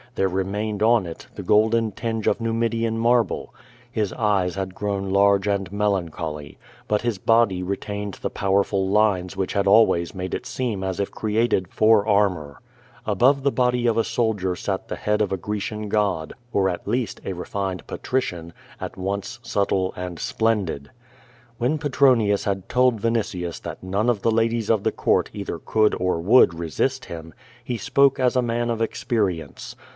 There remained on it the golden tinge of Xumidian marble. His eyes had grown large and melancholy. But his body retained the powerful lines which had always made it seem as if created for armor. Above the bcNly of a soldier sal the head of a Grecian god, or at least a refined patrician, at pnce subtle and splendid. Wlicn 244 Q^^ VADIS, Petronius had told Yinitius that none of the ladies of the court either could or would resist him, he spoke as a man of experience.